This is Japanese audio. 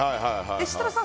設楽さん